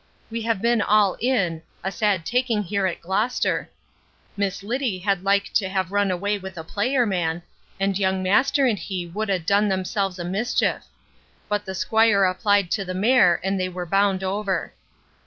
We have been all in, a sad taking here at Glostar Miss Liddy had like to have run away with a player man, and young master and he would adone themselves a mischief; but the squire applied to the mare, and they were, bound over.